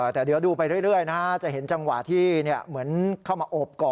แต่เดี๋ยวดูไปเรื่อยจะเห็นจังหวะที่เหมือนเข้ามาโอบกอด